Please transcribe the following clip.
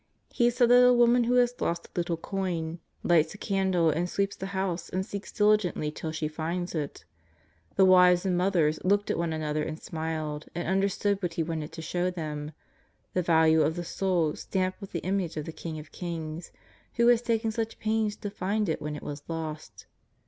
He said that a woman who has lost a little coin lights 220 JESUS OF NAZARETH. a candle and sweeps the house and seeks diligently till she finds it. The wives and mothers looked at one an other and smiled, and understood what He wanted to show them — the value of the soul, stamped with the image of the King of kings, who has taken such pains to find it when it was lost.